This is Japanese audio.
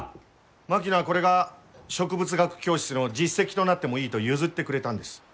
槙野はこれが植物学教室の実績となってもいいと譲ってくれたんです。